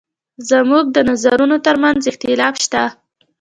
زموږ د نظرونو تر منځ اختلاف شته.